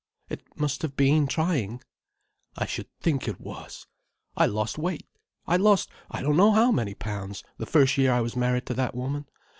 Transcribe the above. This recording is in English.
"It must have been trying." "I should think it was. I lost weight. I lost I don't know how many pounds, the first year I was married to that woman.